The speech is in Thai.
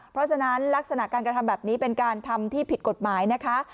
เพราะฉะนั้นลักษณะการกระทำแบบนี้เป็นการทำที่ผิดกฎหมายนะคะ